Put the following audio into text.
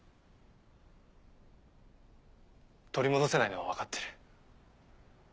取り戻せないのはわかってる。